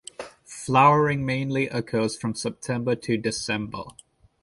Flowering mainly occurs from September to December.